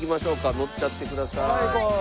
乗っちゃってください。